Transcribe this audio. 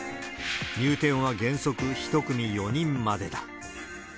入店は原則１組４人までだ。